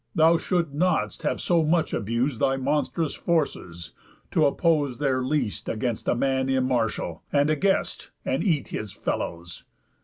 thou shouldst not have so much abus'd Thy monstrous forces, to oppose their least Against a man immartial, and a guest, And eat his fellows.